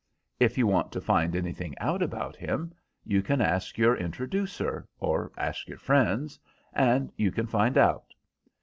If you want to find anything out about him you can ask your introducer or ask your friends, and you can find out.